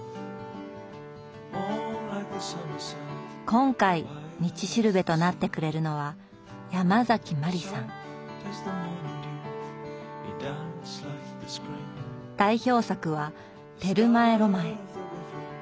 今回「道しるべ」となってくれるのは代表作は「テルマエ・ロマエ」。